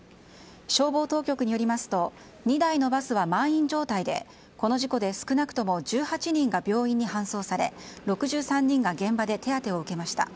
消防当局によりますと２台のバスは満員状態でこの事故で少なくとも１８人が病院に搬送され６３人が現場で手当てを受けました。